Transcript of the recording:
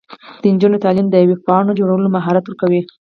د نجونو تعلیم د ویب پاڼو جوړولو مهارت ورکوي.